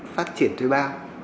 phát triển thuê bao